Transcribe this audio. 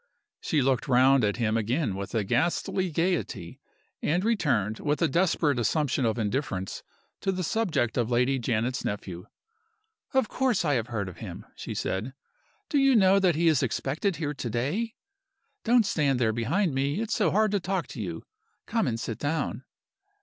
She looked round at him again with a ghastly gayety; and returned, with a desperate assumption of indifference, to the subject of Lady Janet's nephew. "Of course I have heard of him," she said. "Do you know that he is expected here to day? Don't stand there behind me it's so hard to talk to you. Come and sit down."